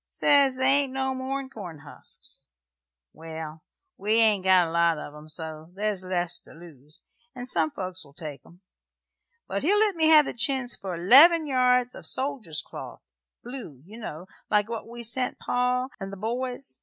Sez they ain't no more'n corn husks. Well, we ain't got a great lot of 'em, so there's less to lose, and some folks will take 'em; but he'll let me have the chintz for 'leven yards o' soldier's cloth blue, ye know, like what we sent pa and the boys.